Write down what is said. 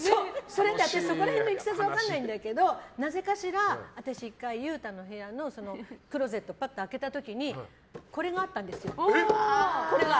いきさつは分かんないんだけどなぜかしら、私、１回裕太の部屋のクローゼットぱって開けた時にこれがあったんですよ。